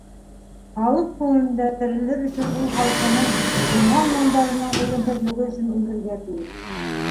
Халыҡ күңелендә терелер өсөн ул халҡының, тыуған моңдарының үлемһеҙлеге өсөн үлергә тейеш.